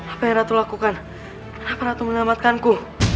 apa yang ratu lakukan kenapa ratu menyelamatkanku